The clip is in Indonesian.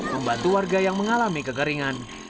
membantu warga yang mengalami kekeringan